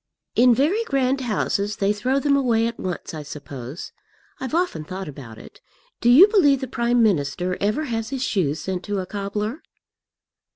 "In very grand houses they throw them away at once, I suppose. I've often thought about it. Do you believe the Prime Minister ever has his shoes sent to a cobbler?"